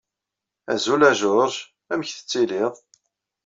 Azul a George! Amek tellid?